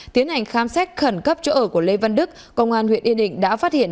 tiến hành khám xét khẩn cấp chỗ ở của lê văn đức công an huyện yên định đã phát hiện